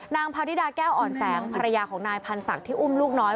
นางพาริดาแก้วอ่อนแสงภรรยาของนายพันธ์ศักดิ์ที่อุ้มลูกน้อย